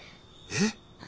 え？